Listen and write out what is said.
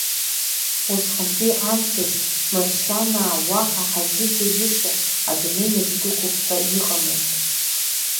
Усҟантәи аамҭаз маршьанаа уаҳа ҳаззыӡырҩыша адунеи аӡә дықәуп ҳәа иҟамызт.